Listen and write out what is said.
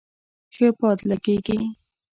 ښه باد لږیږی